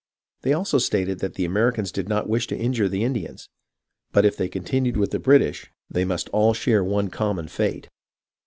They also stated that the Americans did not wish to injure the Indians, but if they continued with the Brit ish, they must all share one common fate.